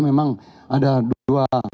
memang ada dua